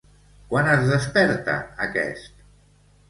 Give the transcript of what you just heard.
Quan es desperta aquest?